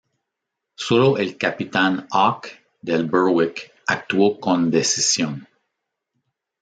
Sólo el capitán Hawke, del "Berwick", actuó con decisión.